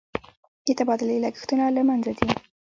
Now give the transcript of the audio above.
د تبادلې لګښتونه له منځه ځي.